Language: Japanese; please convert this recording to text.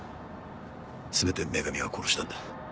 全て「め組」が殺したんだ。